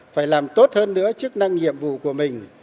phải làm tốt hơn nữa chức năng nhiệm vụ của mình